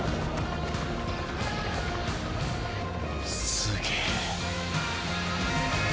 すげえ。